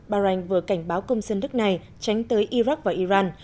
bahrain vừa cảnh báo công dân nước này tránh tới iraq và iran